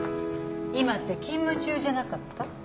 今って勤務中じゃなかった？